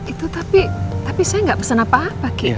itu tapi tapi saya nggak pesen apa apa kiki